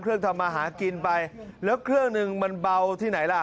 ทำมาหากินไปแล้วเครื่องหนึ่งมันเบาที่ไหนล่ะ